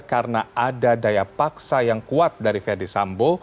karena ada daya paksa yang kuat dari verdi sambu